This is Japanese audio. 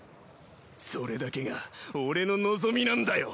それだけが俺の望みなんだよ。